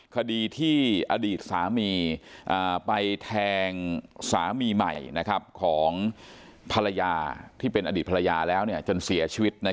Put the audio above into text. คดีที่อดีตสามีไปแทงสามีใหม่ของภรรยาที่เป็นอดีตภรรยาแล้วจนเสียชีวิต